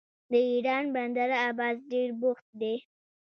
د ایران بندر عباس ډیر بوخت دی.